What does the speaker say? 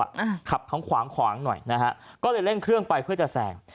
อ่าขับท้องขวางขวางหน่อยนะฮะก็เลยเร่งเครื่องไปเพื่อจะแซง